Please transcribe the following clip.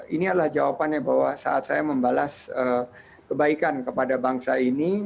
ini adalah jawabannya bahwa saat saya membalas kebaikan kepada bangsa ini